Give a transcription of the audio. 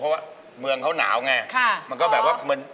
เวลาเขาเจอกันเขาทักกัน